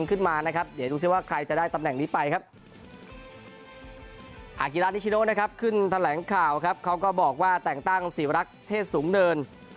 ขึ้นแถวแหลงข่าวครับเขาก็บอกว่าแต่งตั้งสีวรักษณ์เทศสูงเดิน